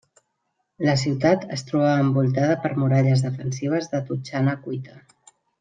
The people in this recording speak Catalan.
La ciutat es trobava envoltada per muralles defensives de totxana cuita.